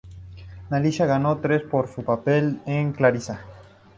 Melissa ganó tres por su papel en "Clarissa".